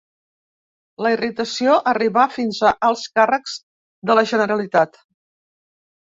La irritació arribà fins a alts càrrecs de la Generalitat.